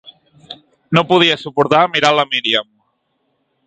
No podia suportar mirar la Míriam.